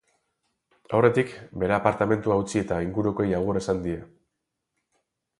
Aurretik, bere apartamentua utzi eta ingurukoei agur esan die.